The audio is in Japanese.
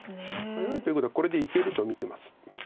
早いということはこれでいけると見てます。